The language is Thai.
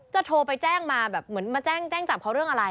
โทรไปแจ้งมาแบบเหมือนมาแจ้งจับเขาเรื่องอะไร